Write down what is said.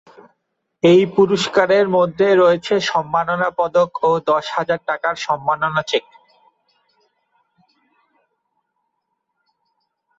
এই পুরস্কারের মধ্যে রয়েছে সম্মাননা পদক ও দশ হাজার টাকার সম্মাননা চেক।